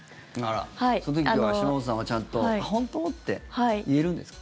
その時島本さんはちゃんとあっ、本当？って言えるんですか？